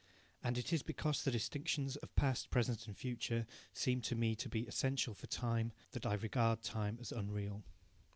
And it is because the distinctions of past, present and future seem to me to be essential for time, that I regard time as unreal.